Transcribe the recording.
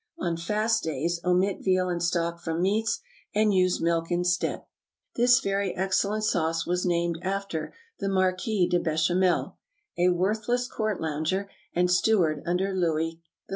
On fast days, omit veal and stock from meats, and use milk instead. [This very excellent sauce was named after the Marquis de Bechamel, a worthless court lounger and steward under Louis XIV.